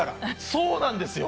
そうなんですよ。